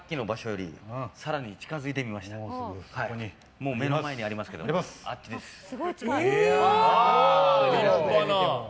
もう目の前にありますけどあっちです。